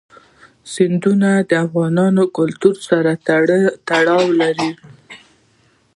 سیندونه د افغان کلتور سره تړاو لري.